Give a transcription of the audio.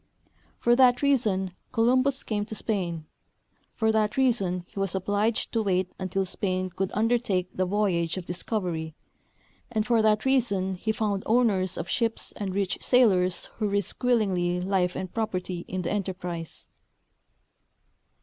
For that reason Columl)us came to Spain ; for that rea son he was obliged to wait until Spain could undertake the voyage of discovery, and for that reason he found owners of ships and rich sailors who risked willingly life and i:)roperty in the enterprise.